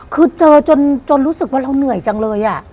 คือเจอจนรู้สึกว่าเราเหนื่อยจังเลย